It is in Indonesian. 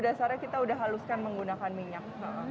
dasarnya kita sudah haluskan menggunakan minyak